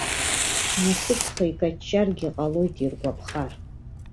Насыԥха икаҷҷаргьы ҟалоит иргәаԥхар.